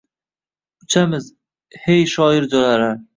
Uchamiz, hey, shoir jo’ralar